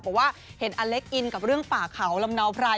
บอกว่าเห็นอเล็กอินกับเรื่องป่าเขาลำเนาไพร